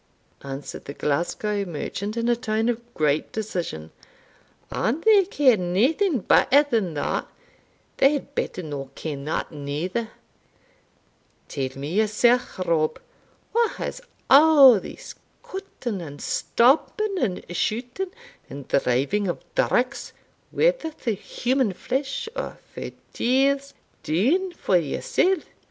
answered the Glasgow merchant in a tone of great decision; "an they ken naething better than that, they had better no ken that neither. Tell me yourself, Rob, what has a' this cutting, and stabbing, and shooting, and driving of dirks, whether through human flesh or fir deals, dune for yourself?